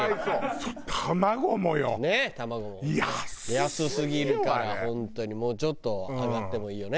安すぎるから本当にもうちょっと上がってもいいよね。